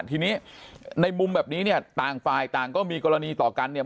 ทีนี้ในมุมแบบนี้เนี่ยต่างฝ่ายต่างก็มีกรณีต่อกันเนี่ย